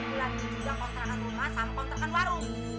bulan juga kontrakan rumah sama kontrakan warung